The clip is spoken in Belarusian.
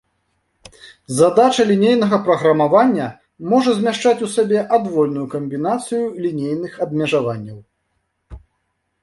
Задача лінейнага праграмавання можа змяшчаць у сабе адвольную камбінацыю лінейных абмежаванняў.